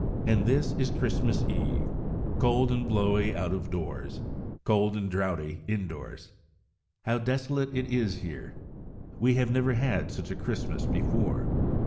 "And this is Christmas Eve; cold and blowy out of doors, and cold and draughty indoors. How desolate it is here! We have never had such a Christmas before.